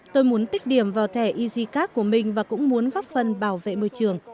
tôi muốn tích điểm vào thẻ easycard của mình và cũng muốn góp phần bảo vệ môi trường